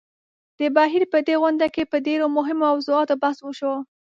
د بهېر په دې غونډه کې په ډېرو مهمو موضوعاتو بحث وشو.